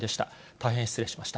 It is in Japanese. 大変失礼しました。